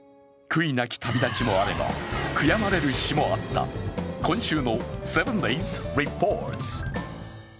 悔いなき旅立ちもあれば悔やまれる死もあった今週の「７ｄａｙｓリポート」。